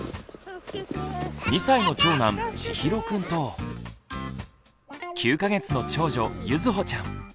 ２歳の長男ちひろくんと９か月の長女ゆずほちゃん。